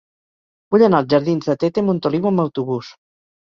Vull anar als jardins de Tete Montoliu amb autobús.